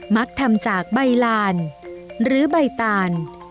มักทำจากใบลานหรือใบตาล